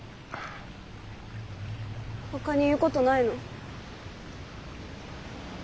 ほかに言うことないの？